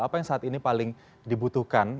apa yang saat ini paling dibutuhkan